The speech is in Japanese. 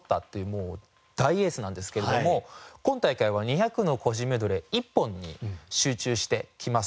もう大エースなんですけれども今大会は２００の個人メドレー１本に集中してきます。